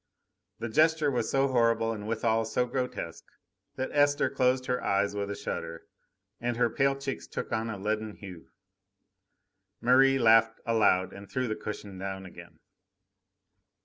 The gesture was so horrible and withal so grotesque, that Esther closed her eyes with a shudder, and her pale cheeks took on a leaden hue. Merri laughed aloud and threw the cushion down again.